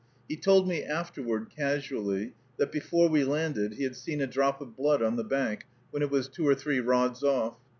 He told me afterward, casually, that before we landed he had seen a drop of blood on the bank, when it was two or three rods off.